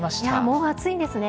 もう暑いんですね。